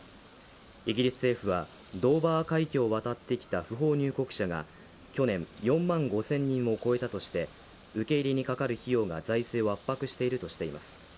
イギリス政府はドーバー海峡を渡ってきた不法入国者が去年、４万５０００人を超えたとして受け入れにかかる費用が財政を圧迫しているとしています。